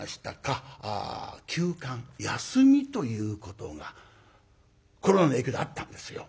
休館休みということがコロナの影響であったんですよ。